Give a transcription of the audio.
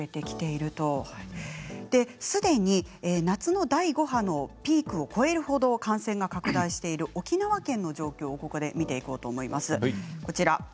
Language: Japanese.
すでに夏の第５波のピークを超えるほど感染が拡大している沖縄県の状況をここで見ていこうと思います。